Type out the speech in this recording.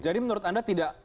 jadi menurut anda tidak